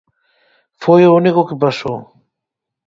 Foi o único que pasou.